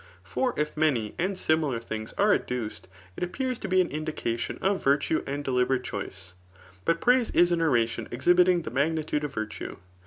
For if many and similar things are adduced, it appears to be an indication of virtue and ddiberate choice. • But praise is an oradon exhibiting the magnitude of virtue.